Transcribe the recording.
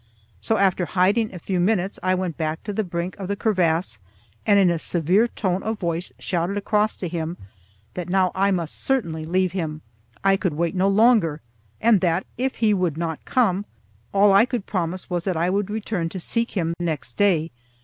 So, after hiding a few minutes, I went back to the brink of the crevasse and in a severe tone of voice shouted across to him that now I must certainly leave him, I could wait no longer, and that, if he would not come, all I could promise was that I would return to seek him next day.